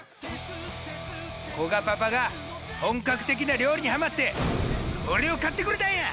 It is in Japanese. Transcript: こがパパが本格的な料理にはまって俺を買ってくれたんや！